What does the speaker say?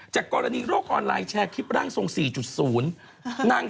จากกรณีโลกออนไลน์แชร์คลิปร่างทรง๔๐นาง